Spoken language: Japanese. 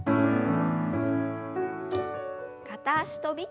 片足跳び。